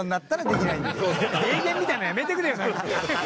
名言みたいなのやめてくれよ。